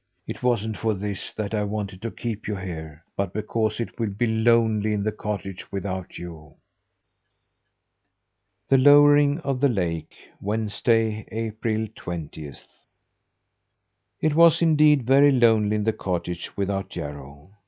It wasn't for this that I wanted to keep you here; but because it will be lonely in the cottage without you." THE LOWERING OF THE LAKE Wednesday, April twentieth. It was indeed very lonely in the cottage without Jarro.